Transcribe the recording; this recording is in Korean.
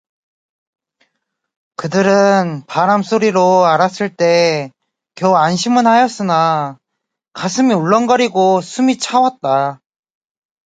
그들은 바람 소리로 알았을 때 겨우 안심은 하였으나 가슴이 울렁거리고 숨이 차왔다.